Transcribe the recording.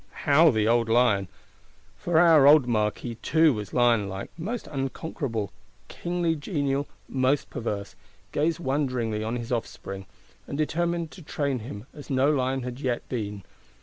How the old lion (for our old Marquis too was lion like, most unconquerable, kingly genial, most perverse) gazed wonderingly on his offspring; and determined to train him as no lion had yet been!